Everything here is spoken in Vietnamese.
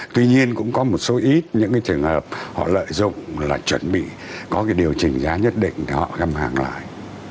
tuy nhiên cũng có một số ít những trường hợp họ lợi dụng là chuẩn bị có cái điều chỉnh giá nhất định để họ găm hàng lại